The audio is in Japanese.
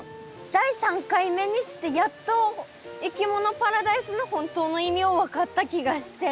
第３回目にしてやっといきものパラダイスの本当の意味を分かった気がして。